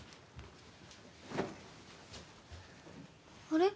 あれ？